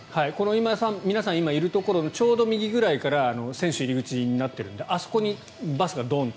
皆さん今いるところのちょうど右ぐらいから選手入り口になっているのであそこにバスがドーンと。